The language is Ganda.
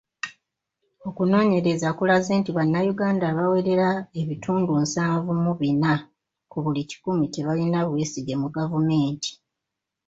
Okunoonyereza kulaze nti Bannayuganda abawerera ebitundu nsanvu mu bina ku buli kikumi tebalina bwesige mu gavumenti.